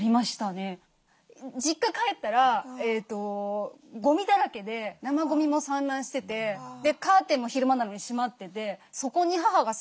実家帰ったらごみだらけで生ごみも散乱しててカーテンも昼間なのに閉まっててそこに母が座ってたんですよ。